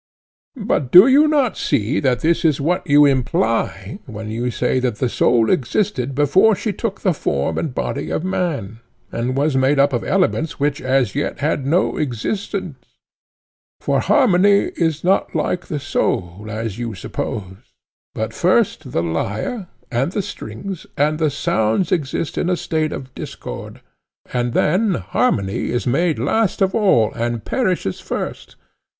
But do you not see that this is what you imply when you say that the soul existed before she took the form and body of man, and was made up of elements which as yet had no existence? For harmony is not like the soul, as you suppose; but first the lyre, and the strings, and the sounds exist in a state of discord, and then harmony is made last of all, and perishes first.